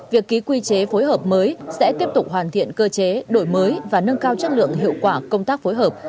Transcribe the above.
việc ký quy chế phối hợp mới sẽ tiếp tục hoàn thiện cơ chế đổi mới và nâng cao chất lượng hiệu quả công tác phối hợp